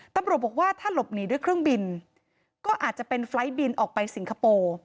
ตำรวจบอกว่าถ้าหลบหนีด้วยเครื่องบินก็อาจจะเป็นไฟล์ทบินออกไปสิงคโปร์